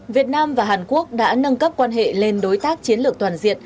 việt nam và hàn quốc đã nâng cấp quan hệ lên đối tác chiến lược toàn diện